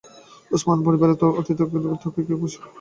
ওসমান পরিবার ত্বকীকে খুনের জন্য সেই সময়টাকেই যথার্থ বলে মনে করে।